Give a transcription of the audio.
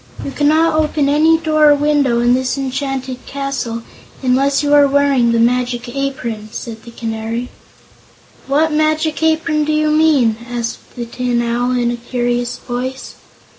"You cannot open any door or window in this enchanted castle unless you are wearing the Magic Apron," said the Canary. "What Magic Apron do you mean?" asked the Tin Owl, in a curious voice.